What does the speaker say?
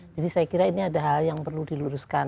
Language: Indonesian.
jadi saya kira ini ada hal hal yang perlu diluruskan